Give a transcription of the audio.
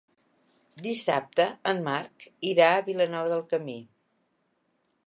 Dissabte en Marc irà a Vilanova del Camí.